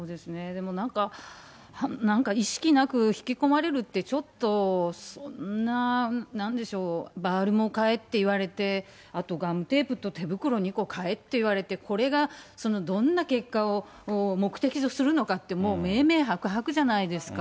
でもなんか、なんか意識なく、引き込まれるって、ちょっと、そんな、なんでしょう、バールも買えって言われて、あとガムテープと手袋２個買えって言われて、これがどんな結果を目的とするのかって、もう明々白々じゃないですか。